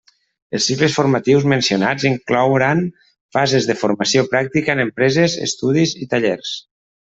Els cicles formatius mencionats inclouran fases de formació pràctica en empreses, estudis i tallers.